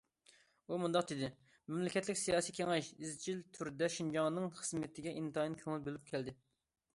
ئۇ مۇنداق دېدى: مەملىكەتلىك سىياسىي كېڭەش ئىزچىل تۈردە شىنجاڭنىڭ خىزمىتىگە ئىنتايىن كۆڭۈل بۆلۈپ كەلدى.